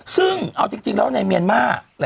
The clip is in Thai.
ซึ่งเอาจริงแล้วในเมียนมาร์